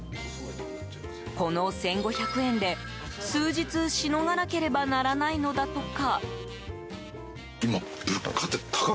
この１５００円で数日しのがなければならないのだとか。